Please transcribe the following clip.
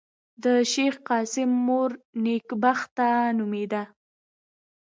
د شېخ قاسم مور نېکبخته نومېده.